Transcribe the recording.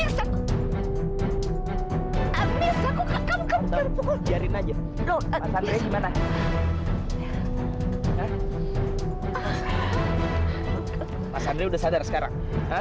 mas andri udah sadar sekarang